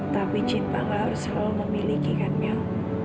tapi cinta gak harus selalu memiliki kan mil